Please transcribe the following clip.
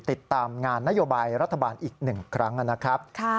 ติดตามงานนโยบายรัฐบาลอีก๑ครั้งนะครับ